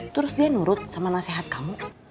terus dia nurut sama nasihat kamu